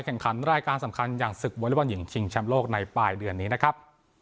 แข่งขันรายการสำคัญอย่างศึกวอเล็กบอลหญิงชิงแชมป์โลกในปลายเดือนนี้นะครับ